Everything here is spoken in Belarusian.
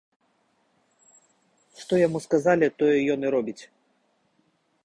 Што яму сказалі, тое ён робіць.